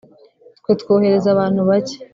twe twohereza abantu bake